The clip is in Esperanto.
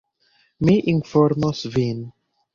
Mi informos vin.